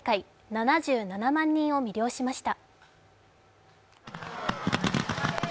７７万人を魅了しました。